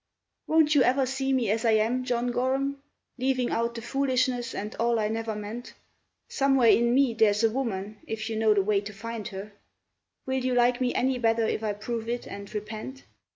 "Won't you ever see me as I am, John Gorham, Leaving out the foolishness and all I never meant? Somewhere in me there's a woman, if you know the way to find her. Will you like me any better if I prove it and repent?"